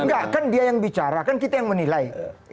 enggak kan dia yang bicara kan kita yang menilai